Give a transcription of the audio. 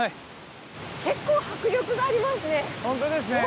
結構迫力がありますね。